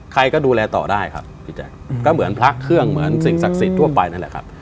ใครก็ดูแลต่อได้ครับพี่แจ๊คก็เหมือนพระเครื่องเหมือนสิ่งศักดิ์สิทธิ์ทั่วไปนั่นแหละครับ